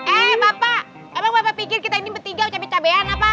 eh bapak emang bapak pikir kita ini mbertiga cabet cabean apa